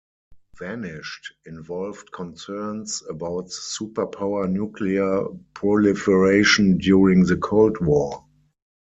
"Vanished" involved concerns about superpower nuclear proliferation during the Cold War.